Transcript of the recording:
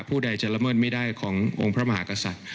ผู้ใดจะละเมิดไม่ได้ขององค์พระมหากษัตริย์